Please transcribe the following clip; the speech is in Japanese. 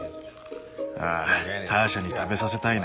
ああターシャに食べさせたいな。